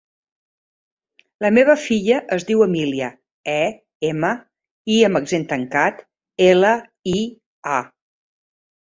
La meva filla es diu Emília: e, ema, i amb accent tancat, ela, i, a.